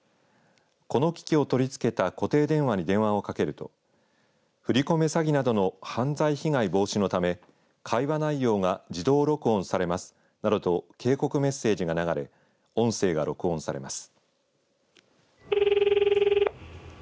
この機器を取り付けた固定電話に電話をかけると振り込め詐欺などの犯罪被害防止のため会話内容が自動録音されますなどと警告メッセージが流れ音声が録音されます。